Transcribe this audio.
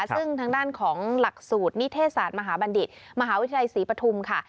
ซึ่งทางด้านของหลักสูตรนิเทศศาสตร์มหาบัณฑิตมหาวิทยาลัยศรีปฐุมค่ะ